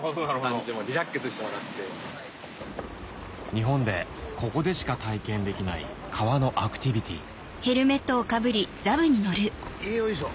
日本でここでしか体験できない川のアクティビティよいしょ！